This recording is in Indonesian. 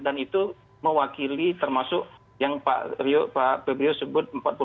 dan itu mewakili termasuk yang pak pebrio sebut